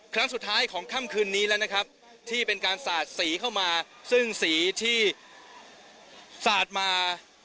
ครั้งสุดท้ายของค่ำคืนนี้แล้วนะครับที่เป็นการสาดสีเข้ามาซึ่งสีที่สาดมา